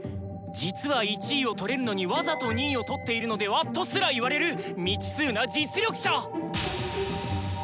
「実は１位をとれるのにわざと２位をとっているのでは？」とすら言われる未知数な実力者！